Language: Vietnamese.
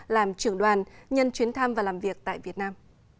làm trưởng đoàn nhân chuyến thăm và làm việc tại việt nam